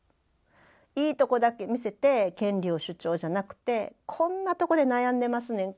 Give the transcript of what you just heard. いいとこだけ見せて権利を主張じゃなくてこんなとこで悩んでますねん。